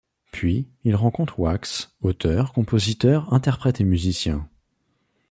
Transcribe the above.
Puis, il rencontre Waxx, auteur, compositeur, interprète et musicien.